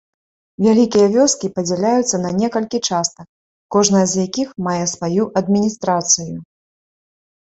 Вялікія вёскі падзяляюцца не некалькі частак, кожная з якіх мае сваю адміністрацыю.